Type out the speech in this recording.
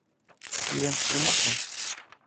لێم سڵ مەکە